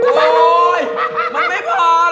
โอ๊ยมันไม่พอหรอกครับ